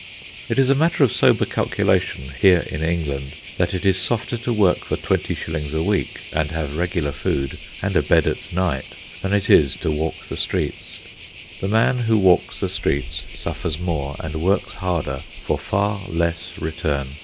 It is a matter of sober calculation, here in England, that it is softer to work for twenty shillings a week, and have regular food, and a bed at night, than it is to walk the streets. The man who walks the streets suffers more, and works harder, for far less return.